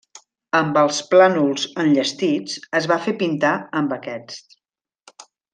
Amb els plànols enllestits, es va fer pintar amb aquests.